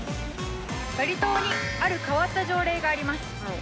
バリ島にある変わった条例があります